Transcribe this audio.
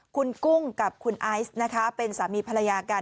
คุณกุ้งกับคุณไอซ์นะคะเป็นสามีภรรยากัน